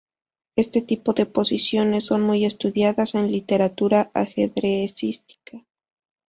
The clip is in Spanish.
Este tipo de posiciones son muy estudiadas en la literatura ajedrecística.